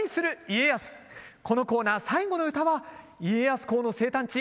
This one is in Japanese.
このコーナー最後の唄は家康公の生誕地